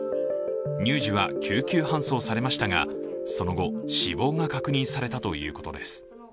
乳児は救急搬送されましたが、その後、死亡が確認されたということです。